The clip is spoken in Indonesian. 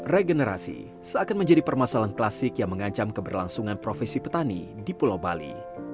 regenerasi seakan menjadi permasalahan klasik yang mengancam keberlangsungan profesi petani di pulau bali